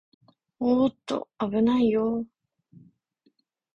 おーっと、あぶないよー